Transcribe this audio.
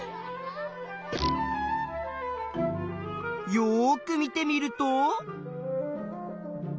よく見てみると。